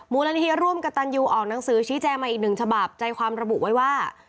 มูลนิธิร่วมกับตันยูออกหนังสือชี้แจงมาอีกหนึ่งฉบับใจความระบุไว้ว่า